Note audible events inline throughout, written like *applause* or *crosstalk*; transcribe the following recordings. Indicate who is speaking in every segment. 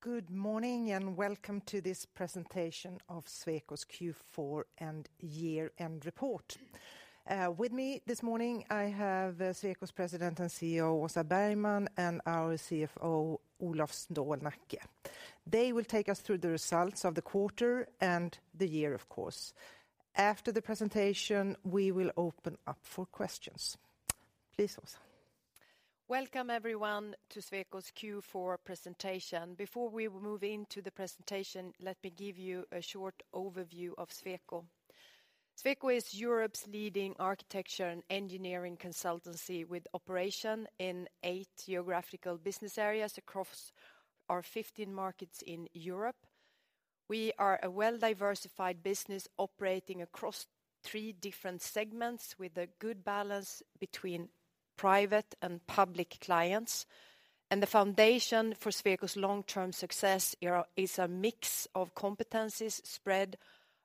Speaker 1: Good morning and welcome to this presentation of Sweco's Q4 and Year-End Report. With me this morning I have Sweco's President and CEO Åsa Bergman and our CFO Olof Stålnacke. They will take us through the results of the quarter and the year, of course. After the presentation we will open up for questions. Please, Åsa.
Speaker 2: Welcome everyone to Sweco's Q4 presentation. Before we move into the presentation let me give you a short overview of Sweco. Sweco is Europe's leading architecture and engineering consultancy with operation in 8 geographical business areas across our 15 markets in Europe. We are a well-diversified business operating across 3 different segments with a good balance between private and public clients. The foundation for Sweco's long-term success is a mix of competencies spread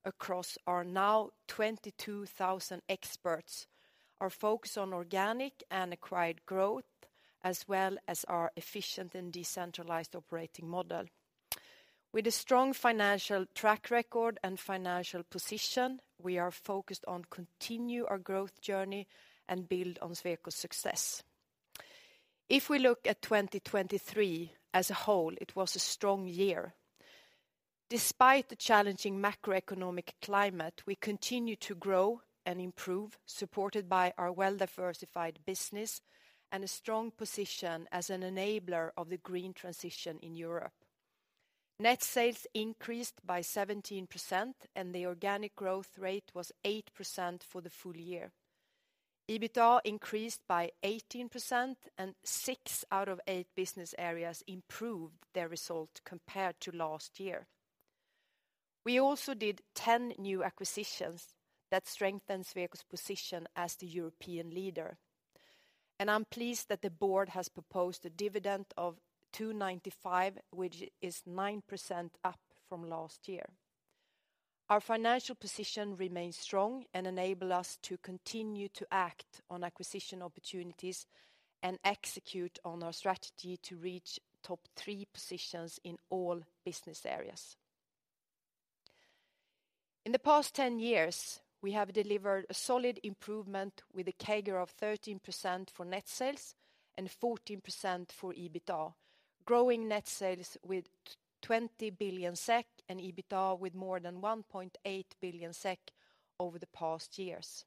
Speaker 2: across our now 22,000 experts. Our focus on organic and acquired growth as well as our efficient and decentralized operating model. With a strong financial track record and financial position we are focused on continuing our growth journey and building on Sweco's success. If we look at 2023 as a whole, it was a strong year. Despite the challenging macroeconomic climate we continue to grow and improve supported by our well-diversified business and a strong position as an enabler of the green transition in Europe. Net sales increased by 17% and the organic growth rate was 8% for the full year. EBITDA increased by 18% and six out of eight business areas improved their result compared to last year. We also did 10 new acquisitions that strengthened Sweco's position as the European leader. I'm pleased that the board has proposed a dividend of 2.95 which is 9% up from last year. Our financial position remains strong and enables us to continue to act on acquisition opportunities and execute on our strategy to reach top three positions in all business areas. In the past 10 years we have delivered a solid improvement with a CAGR of 13% for net sales and 14% for EBITDA. Growing net sales with 20 billion SEK and EBITDA with more than 1.8 billion SEK over the past years.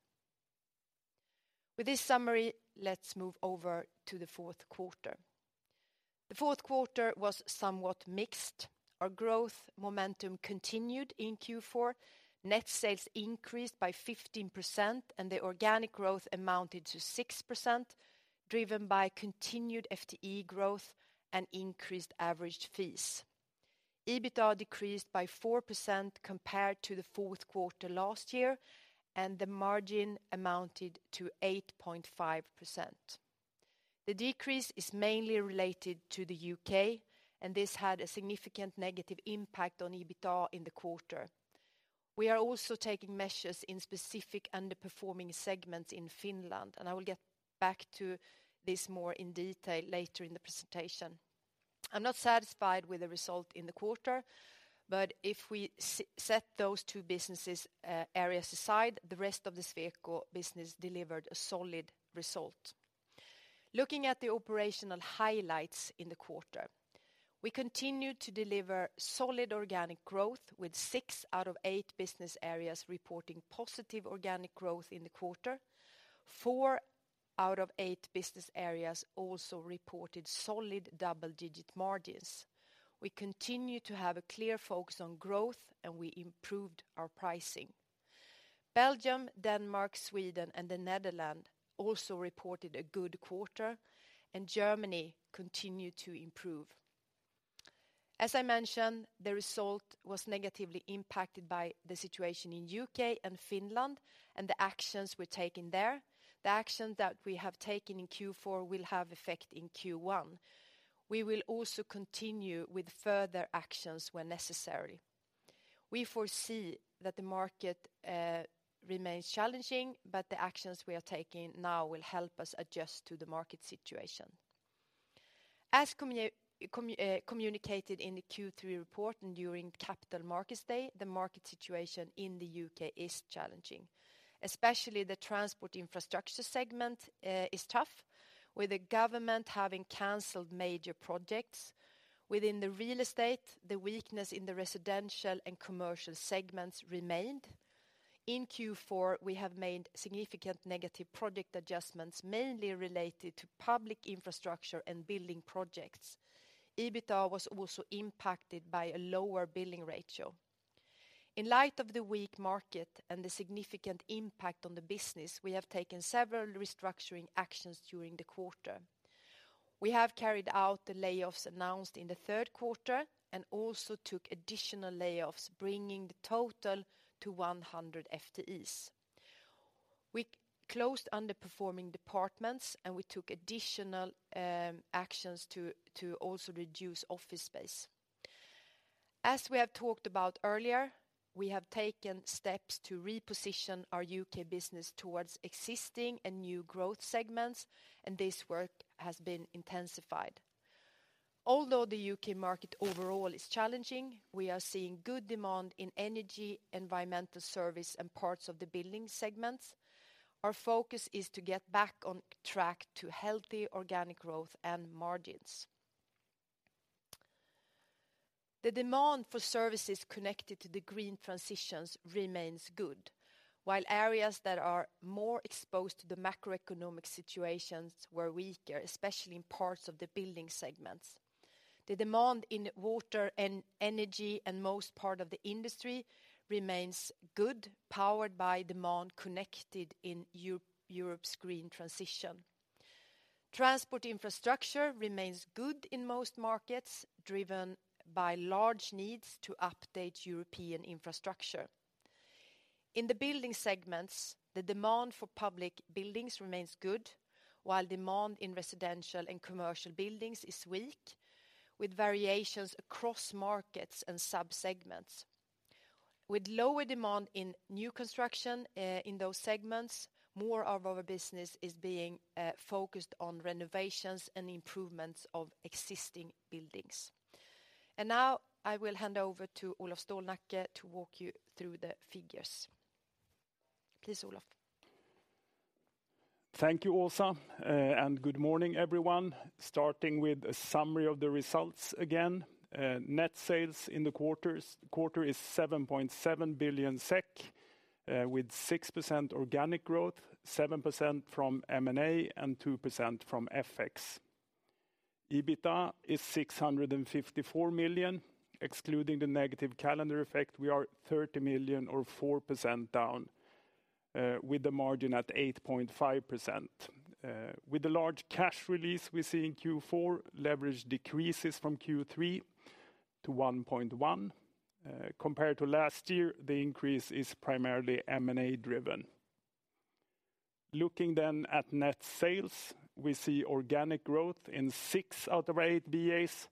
Speaker 2: With this summary, let's move over to the Q4. The Q4 was somewhat mixed. Our growth momentum continued in Q4. Net sales increased by 15% and the organic growth amounted to 6% driven by continued FTE growth and increased average fees. EBITDA decreased by 4% compared to the Q4 last year and the margin amounted to 8.5%. The decrease is mainly related to the UK and this had a significant negative impact on EBITDA in the quarter. We are also taking measures in specific underperforming segments in Finland and I will get back to this more in detail later in the presentation. I'm not satisfied with the result in the quarter, but if we set those two business areas aside, the rest of the Sweco business delivered a solid result. Looking at the operational highlights in the quarter, we continue to deliver solid organic growth with 6 out of 8 business areas reporting positive organic growth in the quarter. 4 out of 8 business areas also reported solid double-digit margins. We continue to have a clear focus on growth, and we improved our pricing. Belgium, Denmark, Sweden, and the Netherlands also reported a good quarter, and Germany continued to improve. As I mentioned, the result was negatively impacted by the situation in the UK and Finland, and the actions were taken there. The actions that we have taken in Q4 will have effect in Q1. We will also continue with further actions when necessary. We foresee that the market remains challenging, but the actions we are taking now will help us adjust to the market situation. As communicated in the Q3 report and during Capital Markets Day, the market situation in the UK is challenging. Especially, the transport infrastructure segment is tough with the government having cancelled major projects. Within the real estate, the weakness in the residential and commercial segments remained. In Q4, we have made significant negative project adjustments mainly related to public infrastructure and building projects. EBITDA was also impacted by a lower billing ratio. In light of the weak market and the significant impact on the business, we have taken several restructuring actions during the quarter. We have carried out the layoffs announced in the Q3 and also took additional layoffs, bringing the total to 100 FTEs. We closed underperforming departments and we took additional actions to also reduce office space. As we have talked about earlier, we have taken steps to reposition our UK business towards existing and new growth segments and this work has been intensified. Although the UK market overall is challenging, we are seeing good demand in energy, environmental service and parts of the building segments. Our focus is to get back on track to healthy organic growth and margins. The demand for services connected to the green transitions remains good while areas that are more exposed to the macroeconomic situations were weaker especially in parts of the building segments. The demand in water and energy and most part of the industry remains good powered by demand connected in Europe's green transition. Transport infrastructure remains good in most markets driven by large needs to update European infrastructure. In the building segments the demand for public buildings remains good while demand in residential and commercial buildings is weak with variations across markets and subsegments. With lower demand in new construction in those segments more of our business is being focused on renovations and improvements of existing buildings. Now I will hand over to Olof Stålnacke to walk you through the figures. Please, Olof.
Speaker 3: Thank you, Åsa. Good morning everyone. Starting with a summary of the results again. Net sales in the quarter is 7.7 billion SEK with 6% organic growth, 7% from M&A and 2% from FX. EBITDA is 654 million. Excluding the negative calendar effect we are 30 million or 4% down with a margin at 8.5%. With the large cash release we see in Q4 leverage decreases from Q3 to 1.1, compared to last year, the increase is primarily M&A driven. Looking then at net sales we see organic growth in six out of eight BAs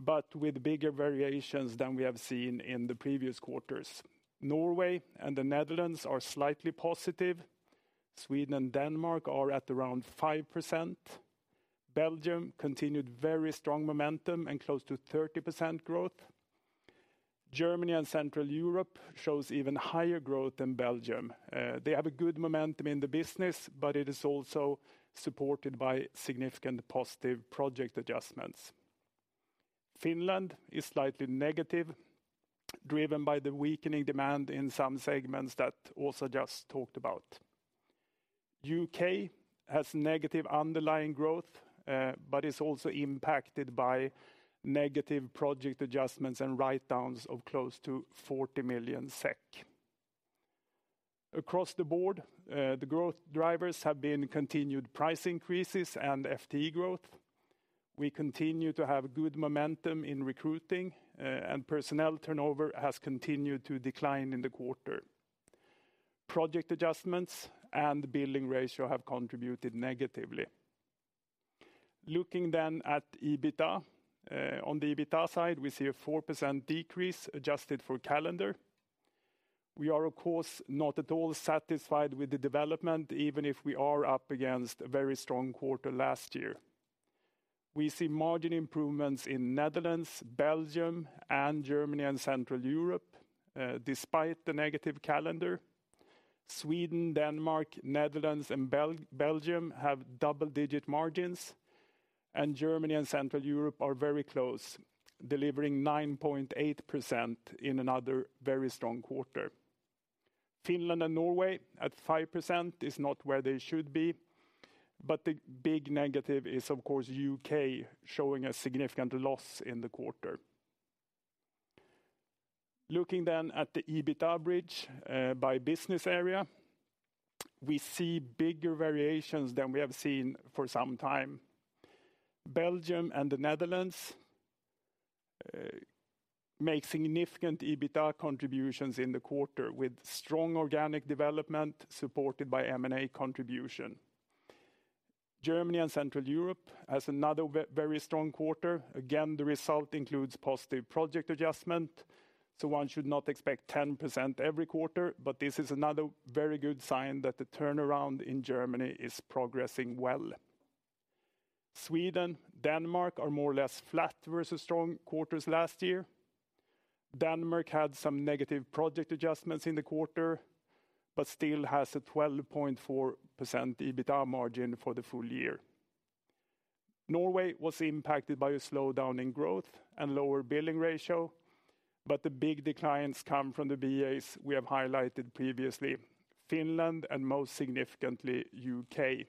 Speaker 3: but with bigger variations than we have seen in the previous quarters. Norway and the Netherlands are slightly positive. Sweden and Denmark are at around 5%. Belgium continued very strong momentum and close to 30% growth. Germany and Central Europe shows even higher growth than Belgium. They have a good momentum in the business but it is also supported by significant positive project adjustments. Finland is slightly negative driven by the weakening demand in some segments that Åsa just talked about. UK has negative underlying growth but is also impacted by negative project adjustments and write-downs of close to 40 million SEK. Across the board the growth drivers have been continued price increases and FTE growth. We continue to have good momentum in recruiting and personnel turnover has continued to decline in the quarter. Project adjustments and billing ratio have contributed negatively. Looking then at EBITDA on the EBITDA side we see a 4% decrease adjusted for calendar. We are, of course, not at all satisfied with the development even if we are up against a very strong quarter last year. We see margin improvements in the Netherlands, Belgium and Germany and Central Europe despite the negative calendar. Sweden, Denmark, Netherlands and Belgium have double-digit margins. Germany and Central Europe are very close delivering 9.8% in another very strong quarter. Finland and Norway at 5% is not where they should be. But the big negative is, of course, the UK showing a significant loss in the quarter. Looking then at the EBITDA average by business area. We see bigger variations than we have seen for some time. Belgium and the Netherlands make significant EBITDA contributions in the quarter with strong organic development supported by M&A contribution. Germany and Central Europe has another very strong quarter. Again, the result includes positive project adjustment. So one should not expect 10% every quarter but this is another very good sign that the turnaround in Germany is progressing well. Sweden, Denmark are more or less flat versus strong quarters last year. Denmark had some negative project adjustments in the quarter. Still has a 12.4% EBITDA margin for the full year. Norway was impacted by a slowdown in growth and lower billing ratio. The big declines come from the VAs we have highlighted previously. Finland and most significantly the UK.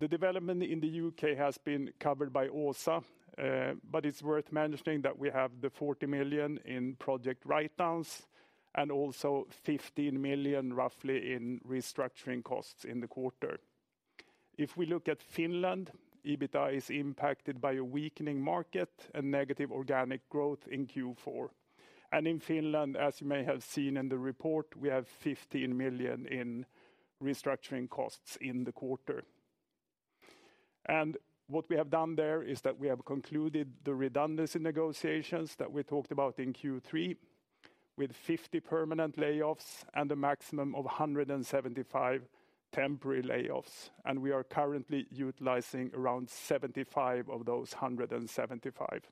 Speaker 3: The development in the UK has been covered by Åsa. It's worth mentioning that we have 40 million in project write-downs. Also roughly 15 million in restructuring costs in the quarter. If we look at Finland, EBITDA is impacted by a weakening market and negative organic growth in Q4. In Finland, as you may have seen in the report, we have 15 million in restructuring costs in the quarter. What we have done there is that we have concluded the redundancy negotiations that we talked about in Q3. With 50 permanent layoffs and a maximum of 175 temporary layoffs. We are currently utilizing around 75 of those 175.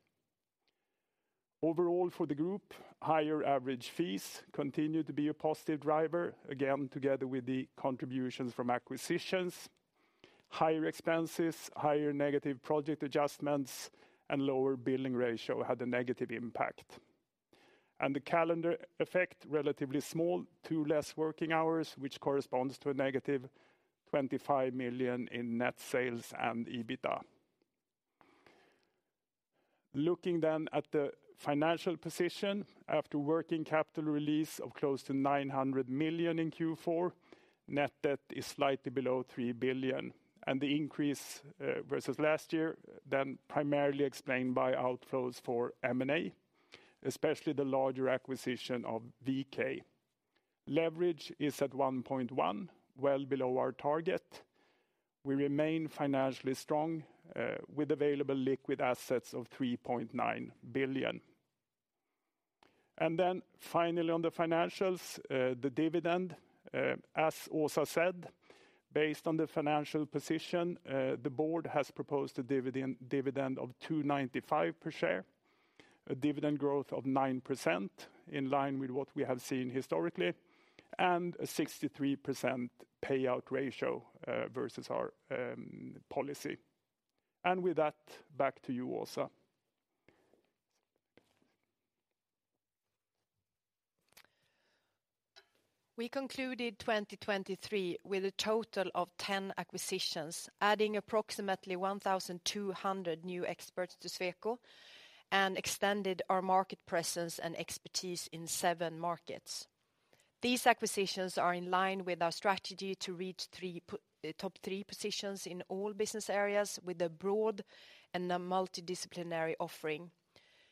Speaker 3: Overall, for the group, higher average fees continue to be a positive driver. Again, together with the contributions from acquisitions. Higher expenses, higher negative project adjustments and lower billing ratio had a negative impact. The calendar effect, relatively small, two less working hours, which corresponds to a negative 25 million in net sales and EBITDA. Looking then at the financial position, after working capital release of close to 900 million in Q4. Net debt is slightly below 3 billion. The increase versus last year is then primarily explained by outflows for M&A. Especially the larger acquisition of VK. Leverage is at 1.1, well below our target. We remain financially strong with available liquid assets of 3.9 billion. Then finally on the financials, the dividend. As Åsa said, based on the financial position, the board has proposed a dividend of 295 per share. A dividend growth of 9% in line with what we have seen historically. And a 63% payout ratio versus our policy. And with that, back to you, Åsa.
Speaker 2: We concluded 2023 with a total of 10 acquisitions. Adding approximately 1,200 new experts to Sweco. Extended our market presence and expertise in 7 markets. These acquisitions are in line with our strategy to reach top 3 positions in all business areas with a broad and multidisciplinary offering.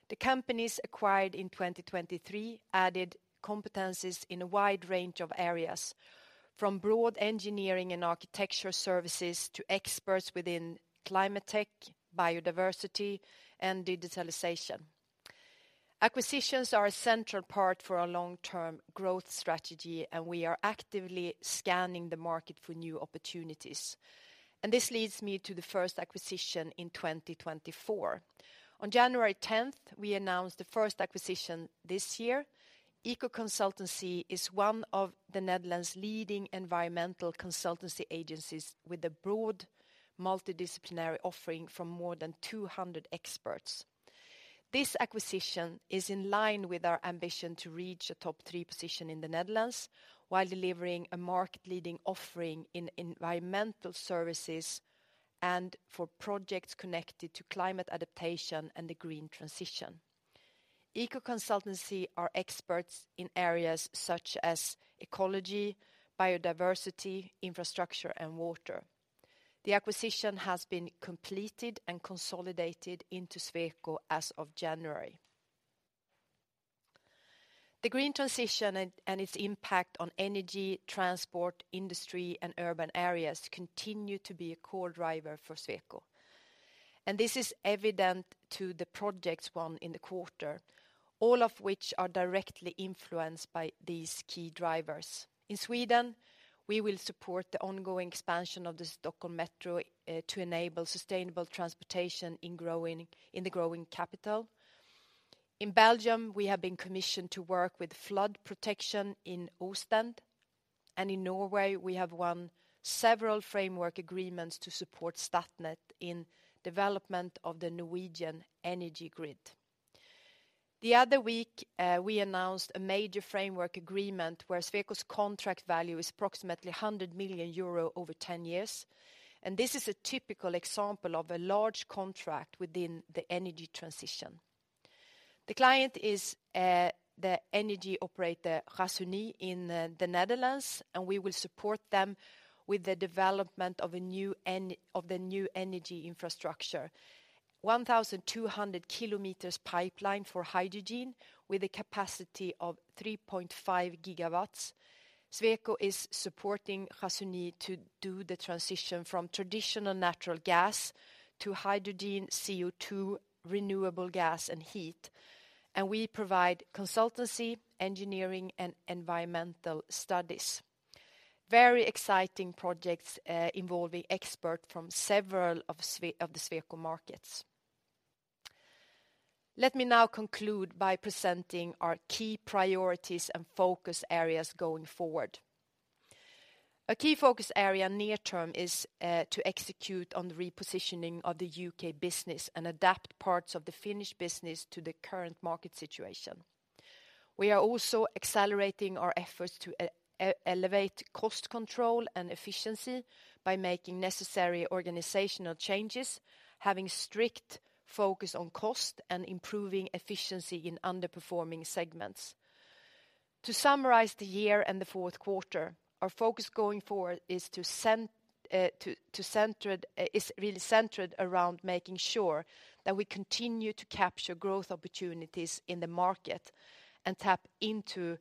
Speaker 2: The companies acquired in 2023 added competences in a wide range of areas. From broad engineering and architecture services to experts within climate tech, biodiversity and digitalization. Acquisitions are a central part for our long-term growth strategy and we are actively scanning the market for new opportunities. This leads me to the first acquisition in 2024. On January 10th, we announced the first acquisition this year. Econsultancy is one of the Netherlands' leading environmental consultancy agencies with a broad multidisciplinary offering from more than 200 experts. This acquisition is in line with our ambition to reach a top three position in the Netherlands while delivering a market-leading offering in environmental services and for projects connected to climate adaptation and the green transition. Econsultancy are experts in areas such as ecology, biodiversity, infrastructure and water. The acquisition has been completed and consolidated into Sweco as of January. The green transition and its impact on energy, transport, industry and urban areas continue to be a core driver for Sweco. This is evident to the projects won in the quarter. All of which are directly influenced by these key drivers. In Sweden, we will support the ongoing expansion of the Stockholm Metro to enable sustainable transportation in the growing capital. In Belgium, we have been commissioned to work with flood protection in Ostend. In Norway, we have won several framework agreements to support Statnett in development of the Norwegian energy grid. The other week, we announced a major framework agreement where Sweco's contract value is approximately 100 million euro over 10 years. This is a typical example of a large contract within the energy transition. The client is the energy operator Gasunie in the Netherlands, and we will support them with the development of the new energy infrastructure. 1,200 km pipeline for hydrogen with a capacity of 3.5 GW. Sweco is supporting Gasunie to do the transition from traditional natural gas to hydrogen, CO2, renewable gas and heat. We provide consultancy, engineering and environmental studies. Very exciting projects involving experts from several of the Sweco markets. Let me now conclude by presenting our key priorities and focus areas going forward. A key focus area near term is to execute on the repositioning of the UK business and adapt parts of the Finnish business to the current market situation. We are also accelerating our efforts to elevate cost control and efficiency by making necessary organizational changes. Having strict focus on cost and improving efficiency in underperforming segments. To summarize the year and the Q4, our focus going forward is really centered around making sure that we continue to capture growth opportunities in the market and tap into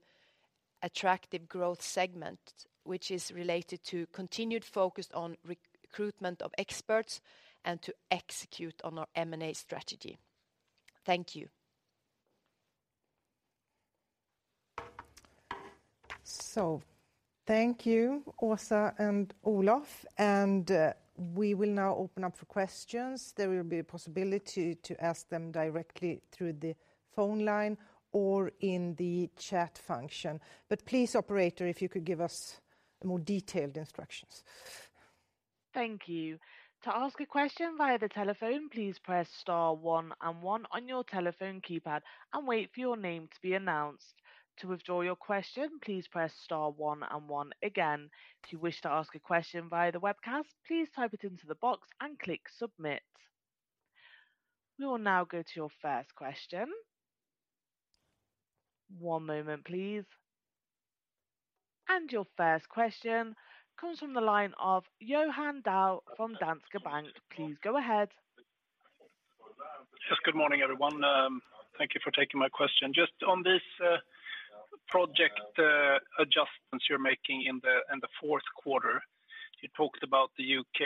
Speaker 2: attractive growth segments which is related to continued focus on recruitment of experts and to execute on our M&A strategy. Thank you.
Speaker 1: Thank you, Åsa and Olof. We will now open up for questions. There will be a possibility to ask them directly through the phone line or in the chat function. Please, operator, if you could give us more detailed instructions.
Speaker 4: Thank you. To ask a question via the telephone, please press star one and one on your telephone keypad and wait for your name to be announced. To withdraw your question, please press star one and one again. If you wish to ask a question via the webcast, please type it into the box and click submit. We will now go to your first question. One moment, please. Your first question comes from the line of Johan Dahl from Danske Bank. Please go ahead.
Speaker 5: Yes, good morning, everyone. Thank you for taking my question. Just on these project adjustments you're making in the Q4. You talked about the UK.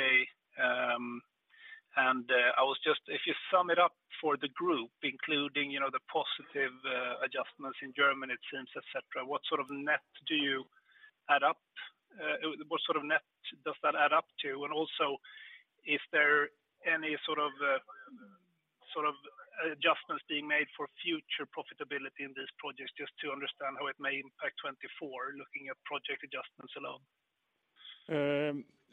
Speaker 5: And I was just, if you sum it up for the group, including the positive adjustments in Germany, it seems, et cetera, what sort of net do you add up? What sort of net does that add up to? And also, is there any sort of adjustments being made for future profitability in these projects just to understand how it may impact 2024 looking at project adjustments alone?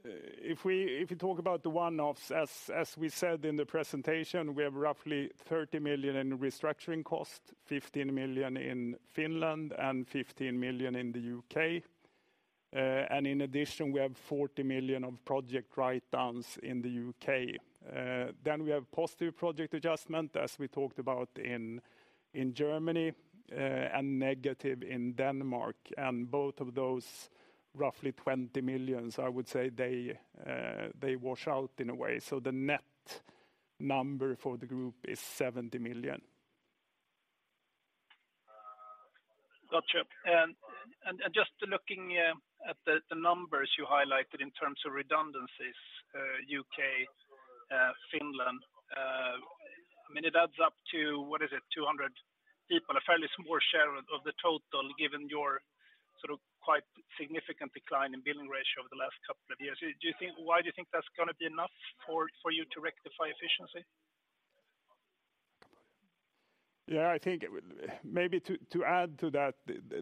Speaker 3: If we talk about the one-offs, as we said in the presentation, we have roughly 30 million in restructuring cost, 15 million in Finland and 15 million in the UK. In addition, we have 40 million of project write-downs in the UK. We have positive project adjustments as we talked about in Germany and negative in Denmark. Both of those, roughly 20 million, I would say they wash out in a way. The net number for the group is 70 million.
Speaker 5: Gotcha. Just looking at the numbers you highlighted in terms of redundancies, UK, Finland, I mean, it adds up to, what is it, 200 people, a fairly small share of the total given your sort of quite significant decline in billing ratio over the last couple of years. Why do you think that's going to be enough for you to rectify efficiency?
Speaker 3: Yeah, I think maybe to add to that,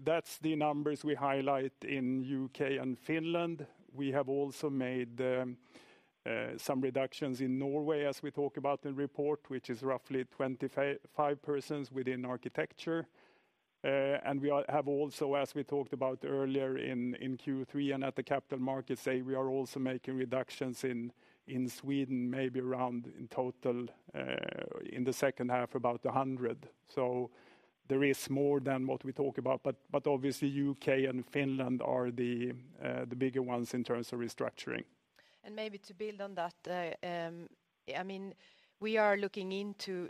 Speaker 3: that's the numbers we highlight in UK and Finland. We have also made some reductions in Norway as we talk about in the report, which is roughly 25 persons within architecture. And we have also, as we talked about earlier in Q3 and at the capital markets, say we are also making reductions in Sweden, maybe around in total in the H2, about 100. So there is more than what we talk about. But obviously, UK and Finland are the bigger ones in terms of restructuring.
Speaker 2: Maybe to build on that, I mean, we are looking into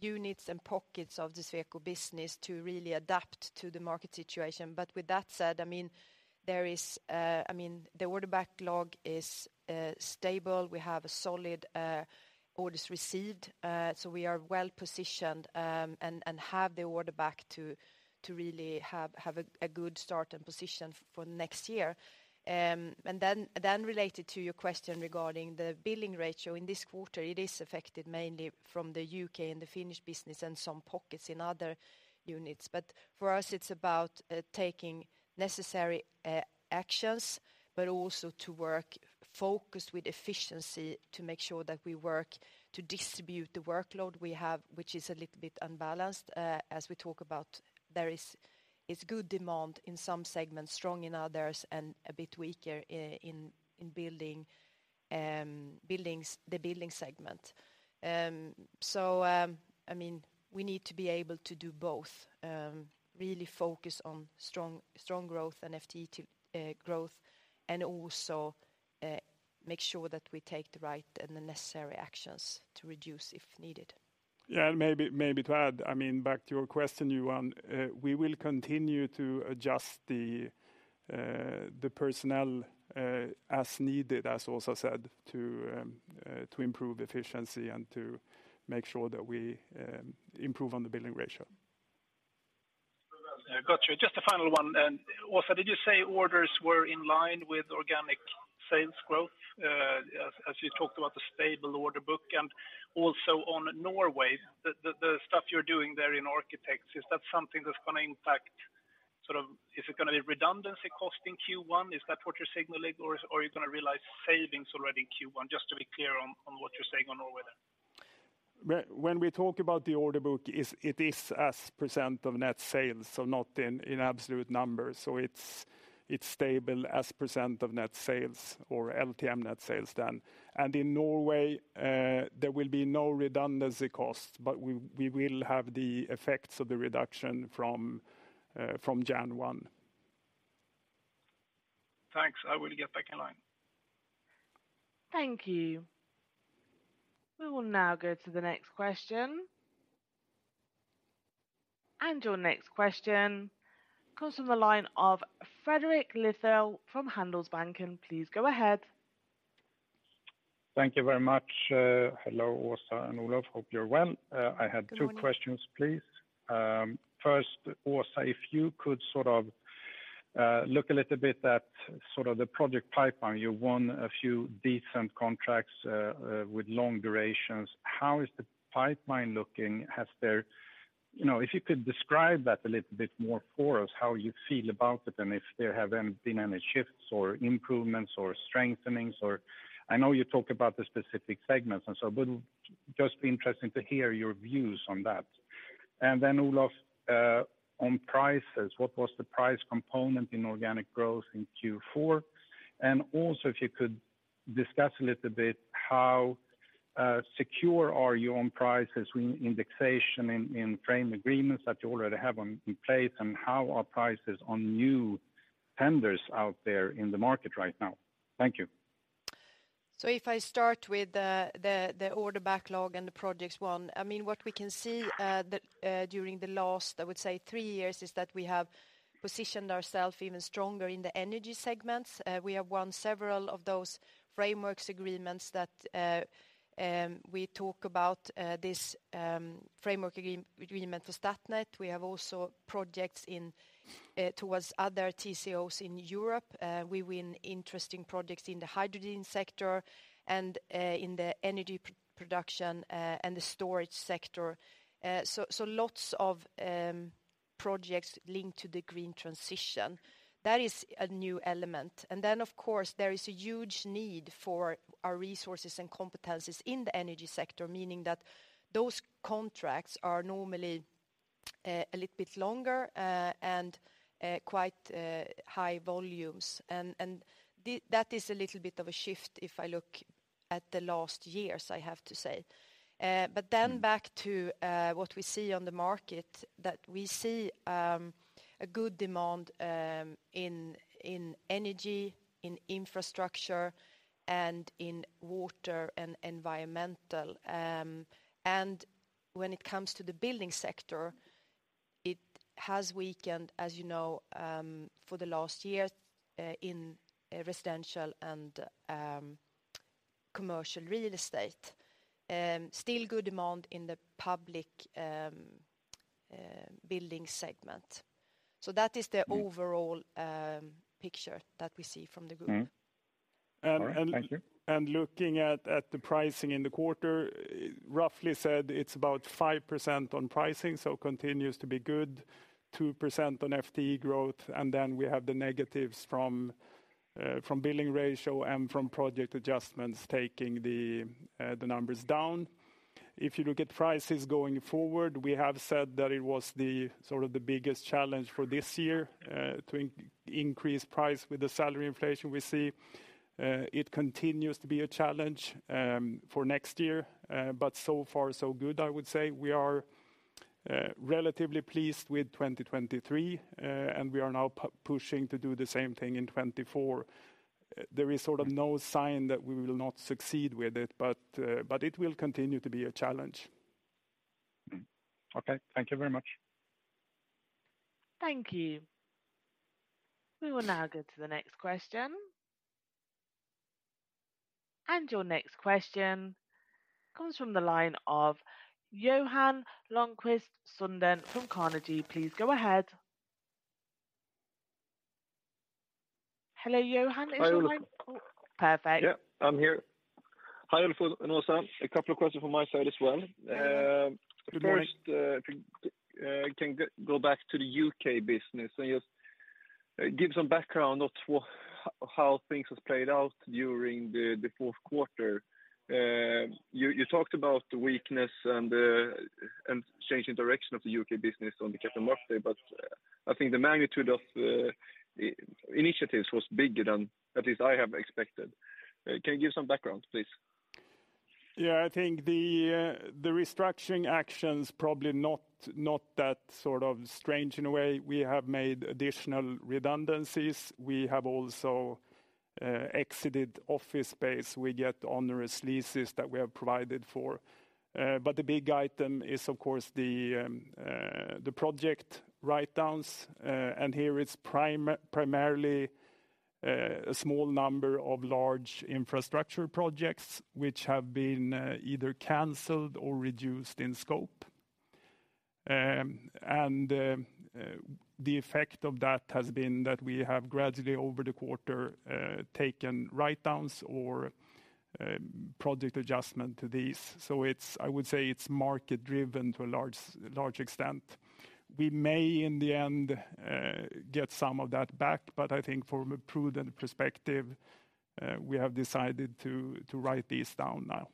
Speaker 2: units and pockets of the Sweco business to really adapt to the market situation. With that said, I mean, there is, I mean, the order backlog is stable. We have a solid orders received. We are well positioned and have the order backlog to really have a good start and position for next year. Then related to your question regarding the billing ratio, in this quarter, it is affected mainly from the UK and the Finnish business and some pockets in other units. But for us, it's about taking necessary actions, but also to work focused with efficiency to make sure that we work to distribute the workload we have, which is a little bit unbalanced. As we talk about, there is good demand in some segments, strong in others, and a bit weaker in buildings, the building segment. So, I mean, we need to be able to do both. Really focus on strong growth and FTE growth and also make sure that we take the right and the necessary actions to reduce if needed.
Speaker 3: Yeah, and maybe to add, I mean, back to your question, Johan, we will continue to adjust the personnel as needed, as Åsa said, to improve efficiency and to make sure that we improve on the billing ratio.
Speaker 5: Gotcha. Just a final one. Åsa, did you say orders were in line with organic sales growth as you talked about the stable order book? And also on Norway, the stuff you're doing there in architects, is that something that's going to impact sort of, is it going to be redundancy cost in Q1? Is that what you're signaling or are you going to realize savings already in Q1? Just to be clear on what you're saying on Norway there.
Speaker 3: When we talk about the order book, it is as % of net sales, so not in absolute numbers. It's stable as % of net sales or LTM net sales then. In Norway, there will be no redundancy costs, but we will have the effects of the reduction from January 1.
Speaker 5: Thanks. I will get back in line.
Speaker 4: Thank you. We will now go to the next question. Your next question comes from the line of Fredrik Lithell from Handelsbanken. Please go ahead.
Speaker 6: Thank you very much. Hello, Åsa and Olof. Hope you're well. I had two questions, please. First, Åsa, if you could sort of look a little bit at sort of the project pipeline. You won a few decent contracts with long durations. How is the pipeline looking? Has there, you know, if you could describe that a little bit more for us, how you feel about it and if there have been any shifts or improvements or strengthenings or I know you talk about the specific segments and so, but just interesting to hear your views on that. And then Olof, on prices, what was the price component in organic growth in Q4? And also if you could discuss a little bit how secure are you on prices with indexation in frame agreements that you already have in place and how are prices on new tenders out there in the market right now? Thank you.
Speaker 2: So if I start with the order backlog and the projects won, I mean, what we can see during the last, I would say, three years is that we have positioned ourselves even stronger in the energy segments. We have won several of those framework agreements that we talk about, this framework agreement for Statnett. We have also projects towards other TSOs in Europe. We win interesting projects in the hydrogen sector and in the energy production and the storage sector. So lots of projects linked to the green transition. That is a new element. And then, of course, there is a huge need for our resources and competencies in the energy sector, meaning that those contracts are normally a little bit longer and quite high volumes. And that is a little bit of a shift if I look at the last years, I have to say. Then back to what we see on the market, that we see a good demand in energy, in infrastructure and in water and environmental. When it comes to the building sector, it has weakened, as you know, for the last year in residential and commercial real estate. Still good demand in the public building segment. That is the overall picture that we see from the group.
Speaker 3: Looking at the pricing in the quarter, roughly said, it's about 5% on pricing, so continues to be good, 2% on FTE growth. Then we have the negatives from billing ratio and from project adjustments taking the numbers down. If you look at prices going forward, we have said that it was sort of the biggest challenge for this year to increase price with the salary inflation we see. It continues to be a challenge for next year. But so far, so good, I would say. We are relatively pleased with 2023 and we are now pushing to do the same thing in 2024. There is sort of no sign that we will not succeed with it, but it will continue to be a challenge.
Speaker 6: Okay. Thank you very much.
Speaker 4: Thank you. We will now go to the next question. Your next question comes from the line of Johan Lundqvist Sunden from Carnegie. Please go ahead. Hello, Johan.
Speaker 7: Hi, Olof.
Speaker 4: Perfect.
Speaker 7: Yeah, I'm here. Hi, Olof and Åsa. A couple of questions from my side as well. If you can go back to the UK business and just give some background on how things have played out during the Q4. You talked about the weakness and change in direction of the UK business on the capital market day, but I think the magnitude of initiatives was bigger than at least I have expected. Can you give some background, please?
Speaker 3: Yeah, I think the restructuring actions probably not that sort of strange in a way. We have made additional redundancies. We have also exited office space. We get onerous leases that we have provided for. But the big item is, of course, the project write-downs. And here it's primarily a small number of large infrastructure projects which have been either cancelled or reduced in scope. And the effect of that has been that we have gradually, over the quarter, taken write-downs or project adjustments to these. So I would say it's market-driven to a large extent. We may, in the end, get some of that back, but I think from a prudent perspective, we have decided to write these down now.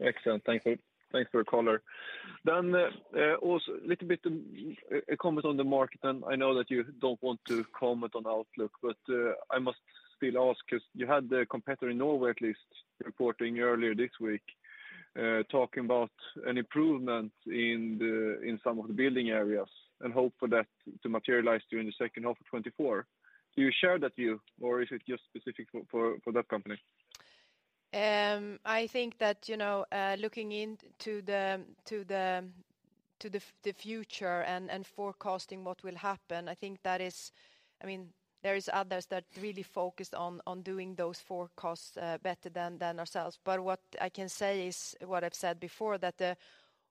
Speaker 7: Excellent. Thanks for the caller. Then also a little bit a comment on the market. And I know that you don't want to comment on outlook, but I must still ask because you had the competitor in Norway at least reporting earlier this week talking about an improvement in some of the building areas and hope for that to materialize during the H2 of 2024. Do you share that view or is it just specific for that company?
Speaker 2: I think that looking into the future and forecasting what will happen, I think that is, I mean, there is others that really focused on doing those forecasts better than ourselves. But what I can say is what I've said before, that the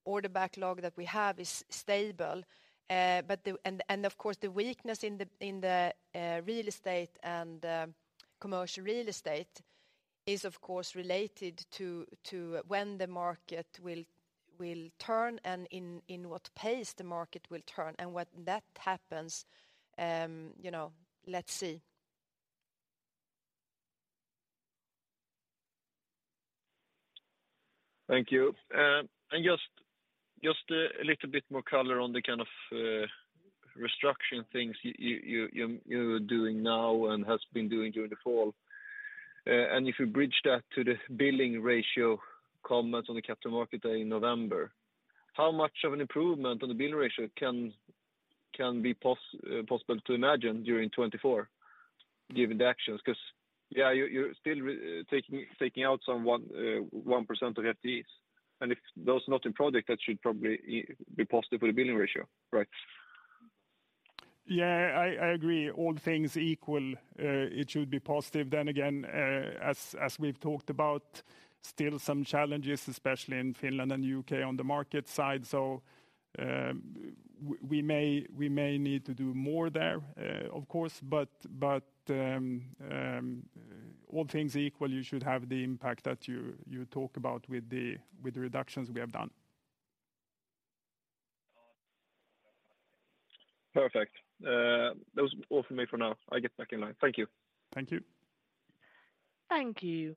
Speaker 2: order backlog that we have is stable. But, and of course, the weakness in the real estate and commercial real estate is, of course, related to when the market will turn and in what pace the market will turn. And when that happens, let's see.
Speaker 7: Thank you. And just a little bit more color on the kind of restructuring things you're doing now and have been doing during the fall. And if you bridge that to the billing ratio comments on the capital market day in November, how much of an improvement on the billing ratio can be possible to imagine during 2024 given the actions? Because, yeah, you're still taking out some 1% of FTEs. And if those are not in project, that should probably be positive for the billing ratio, right?
Speaker 3: Yeah, I agree. All things equal, it should be positive. Then again, as we've talked about, still some challenges, especially in Finland and UK on the market side. So we may need to do more there, of course. But all things equal, you should have the impact that you talk about with the reductions we have done. Perfect.
Speaker 7: That was all from me for now. I get back in line. Thank you. Thank you.
Speaker 4: Thank you.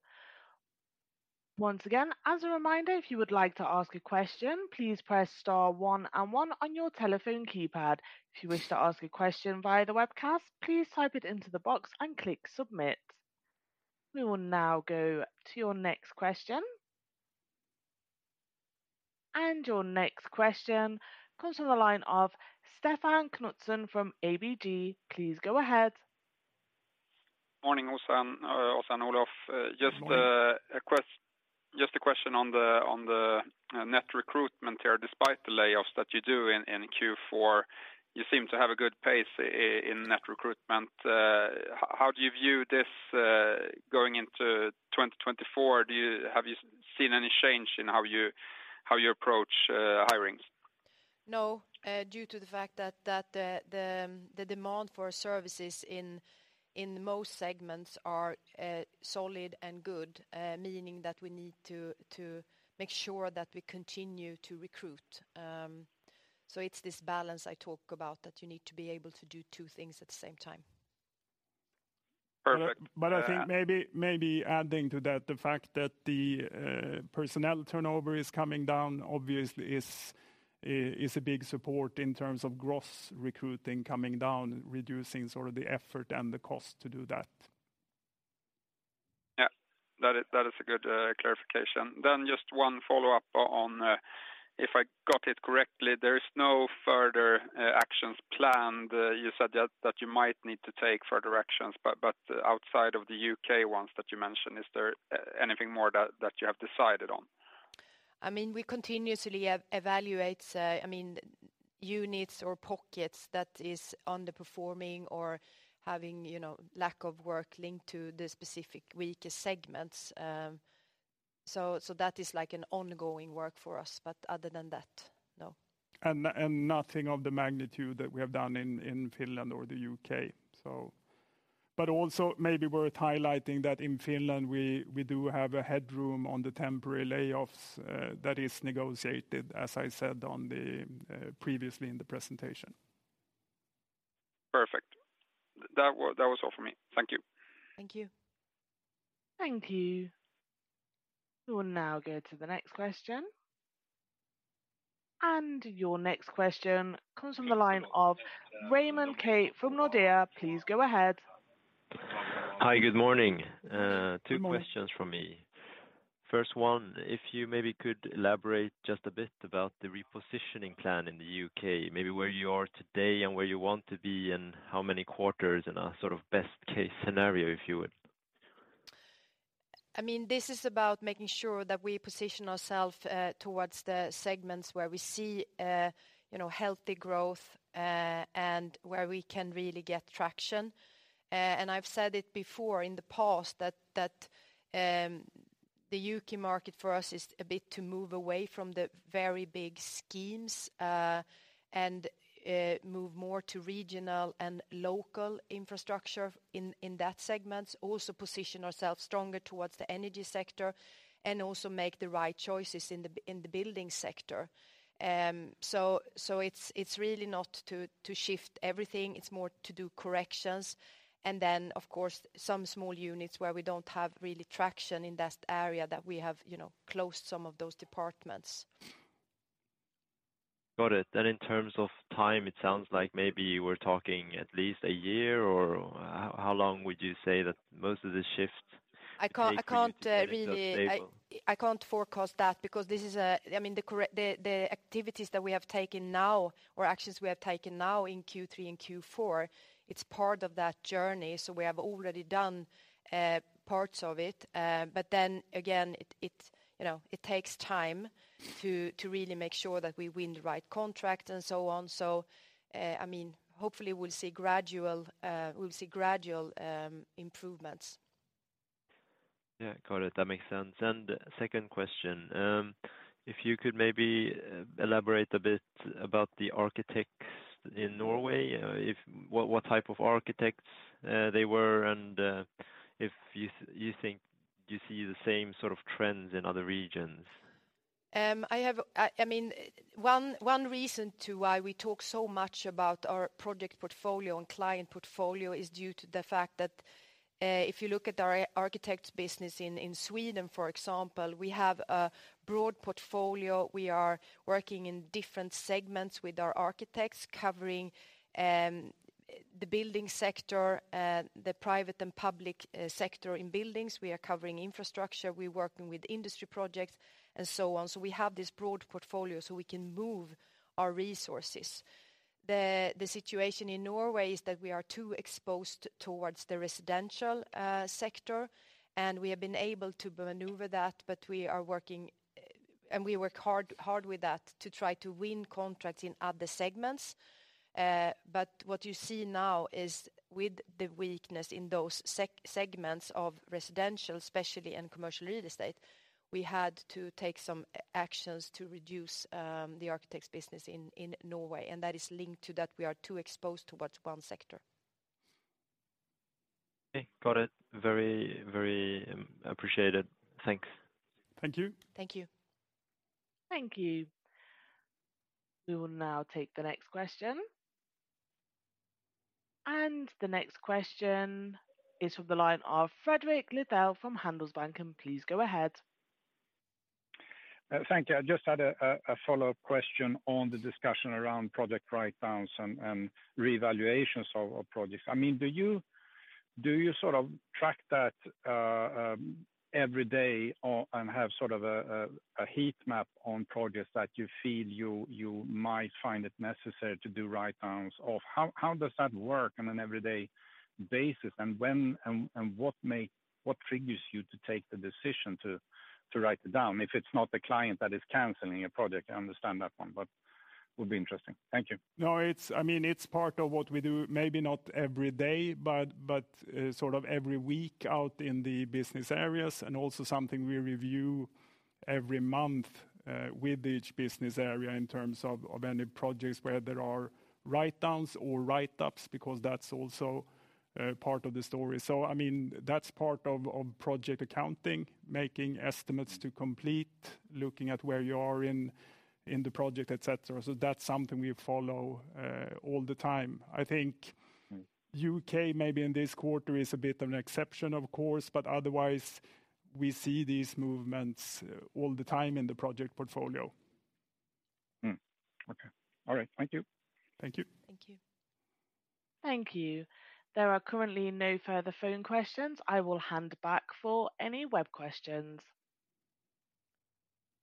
Speaker 4: Once again, as a reminder, if you would like to ask a question, please press star one and one on your telephone keypad. If you wish to ask a question via the webcast, please type it into the box and click submit. We will now go to your next question. Your next question comes from the line of Stefan Knutsson from ABG. Please go ahead.
Speaker 8: Morning, Åsa and Olof. Just a question on the net recruitment here. Despite the layoffs that you do in Q4, you seem to have a good pace in net recruitment. How do you view this going into 2024? Have you seen any change in how you approach hirings?
Speaker 2: No, due to the fact that the demand for services in most segments are solid and good, meaning that we need to make sure that we continue to recruit. So it's this balance I talk about that you need to be able to do two things at the same time.
Speaker 8: Perfect.
Speaker 3: But I think maybe adding to that, the fact that the personnel turnover is coming down, obviously, is a big support in terms of gross recruiting coming down, reducing sort of the effort and the cost to do that.
Speaker 8: Yeah, that is a good clarification. Then just one follow-up on if I got it correctly, there is no further actions planned. You said that you might need to take further actions, but outside of the UK ones that you mentioned, is there anything more that you have decided on?
Speaker 2: I mean, we continuously evaluate, I mean, units or pockets that are underperforming or having lack of work linked to the specific weakest segments. So that is like an ongoing work for us. But other than that, no.
Speaker 3: Nothing of the magnitude that we have done in Finland or the UK. Also maybe worth highlighting that in Finland, we do have a headroom on the temporary layoffs that is negotiated, as I said previously in the presentation.
Speaker 8: Perfect. That was all from me. Thank you.
Speaker 2: Thank you.
Speaker 4: Thank you. We will now go to the next question. Your next question comes from the line of Raymond Ke from Nordea. Please go ahead.
Speaker 9: Hi, good morning. Two questions from me. First one, if you maybe could elaborate just a bit about the repositioning plan in the UK, maybe where you are today and where you want to be and how many quarters in a sort of best-case scenario, if you would?
Speaker 2: I mean, this is about making sure that we position ourselves towards the segments where we see healthy growth and where we can really get traction. And I've said it before in the past that the UK market for us is a bit to move away from the very big schemes and move more to regional and local infrastructure in that segment, also position ourselves stronger towards the energy sector and also make the right choices in the building sector. So it's really not to shift everything. It's more to do corrections. And then, of course, some small units where we don't have really traction in that area that we have closed some of those departments.
Speaker 9: Got it. In terms of time, it sounds like maybe we're talking at least a year or how long would you say that most of this shift is stable?
Speaker 2: *crosstalk* I can't really forecast that because this is, I mean, the activities that we have taken now or actions we have taken now in Q3 and Q4, it's part of that journey. So we have already done parts of it. But then again, it takes time to really make sure that we win the right contract and so on. So, I mean, hopefully we'll see gradual improvements.
Speaker 9: Yeah, got it. That makes sense. And second question, if you could maybe elaborate a bit about the architects in Norway, what type of architects they were and if you think you see the same sort of trends in other regions?
Speaker 2: I mean, one reason to why we talk so much about our project portfolio and client portfolio is due to the fact that if you look at our architects business in Sweden, for example, we have a broad portfolio. We are working in different segments with our architects covering the building sector, the private and public sector in buildings. We are covering infrastructure. We're working with industry projects and so on. So we have this broad portfolio so we can move our resources. The situation in Norway is that we are too exposed towards the residential sector and we have been able to maneuver that, but we are working, and we work hard with that to try to win contracts in other segments. What you see now is with the weakness in those segments of residential, especially, and commercial real estate, we had to take some actions to reduce the architects business in Norway. That is linked to that we are too exposed towards one sector.
Speaker 9: Okay, got it. Very, very appreciated. Thanks.
Speaker 3: Thank you.
Speaker 2: Thank you.
Speaker 4: Thank you. We will now take the next question. The next question is from the line of Fredrik Lithell from Handelsbanken. Please go ahead.
Speaker 6: Thank you. I just had a follow-up question on the discussion around project write-downs and reevaluations of projects. I mean, do you sort of track that every day and have sort of a heat map on projects that you feel you might find it necessary to do write-downs of? How does that work on an every day basis? And what triggers you to take the decision to write it down? If it's not the client that is cancelling a project, I understand that one, but it would be interesting. Thank you.
Speaker 3: No, I mean, it's part of what we do, maybe not every day, but sort of every week out in the business areas. And also something we review every month with each business area in terms of any projects where there are write-downs or write-ups because that's also part of the story. So, I mean, that's part of project accounting, making estimates to complete, looking at where you are in the project, etc. So that's something we follow all the time. I think UK maybe in this quarter is a bit of an exception, of course, but otherwise, we see these movements all the time in the project portfolio.
Speaker 7: Okay. All right. Thank you.
Speaker 3: Thank you.
Speaker 2: Thank you.
Speaker 4: Thank you. There are currently no further phone questions. I will hand back for any web questions.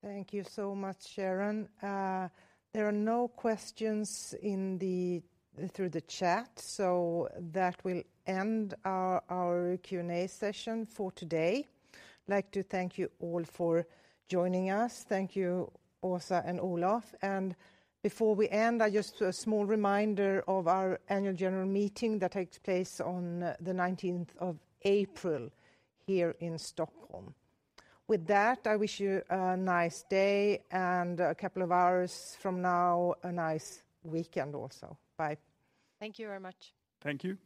Speaker 10: Thank you so much, Sharon. There are no questions through the chat, so that will end our Q&A session for today. I'd like to thank you all for joining us. Thank you, Åsa and Olof. And before we end, just a small reminder of our annual general meeting that takes place on the 19th of April here in Stockholm. With that, I wish you a nice day and a couple of hours from now, a nice weekend also. Bye.
Speaker 2: Thank you very much.
Speaker 3: Thank you.